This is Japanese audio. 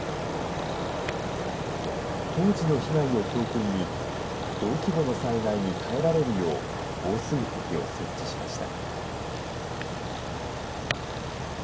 当時の被害を教訓に、同規模の災害に耐えられるよう、防水壁を設置しました。